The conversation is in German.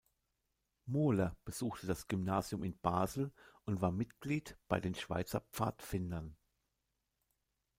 Mohler besuchte das Gymnasium in Basel und war Mitglied bei den Schweizer Pfadfindern.